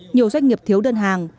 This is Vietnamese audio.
nhiều doanh nghiệp thiếu đơn hàng